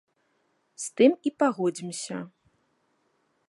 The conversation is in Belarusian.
З тым і пагодзімся.